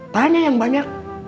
tanya yang banyak